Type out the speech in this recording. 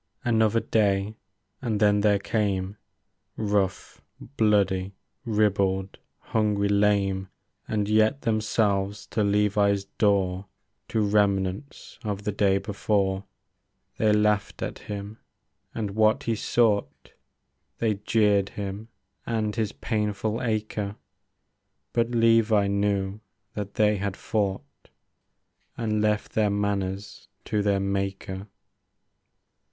Another day, and then there came. Rough, bloody, ribald, hungry, lame. But yet themselves, to Levi's door. Two remnants of the day before. THE FIELD OF GLORY i8i They laughed at him and what he sought ; They jeered him, and his painful acre ; But Levi knew that they had fought. And left their manners to their Maker.